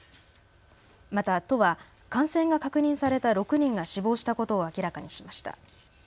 また都は感染が確認された６人が死亡したことを明らかにしました。